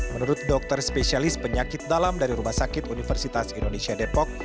menurut dokter spesialis penyakit dalam dari rumah sakit universitas indonesia depok